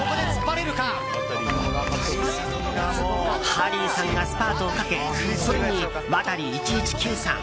ハリーさんがスパートをかけそれにワタリ１１９さん